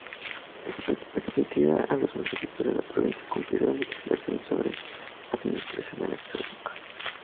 Permitirá a los municipios de la provincia cumplir la legislación sobre administración electrónica.